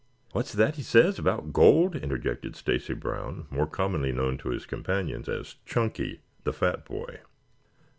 "What's that he says about gold?" interjected Stacy Brown, more commonly known to his companions as Chunky, the fat boy.